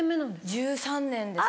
１３年です。